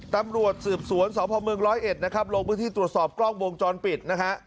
ตำรวจสืบสวนสพม๑๐๑นะครับลงพื้นที่ตรวจสอบกล้องวงจรปิดนะฮะ